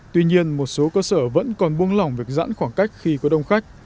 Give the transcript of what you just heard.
tuy nhiên một số cơ sở vẫn còn buông lỏng việc giãn khoảng cách khi có đông khách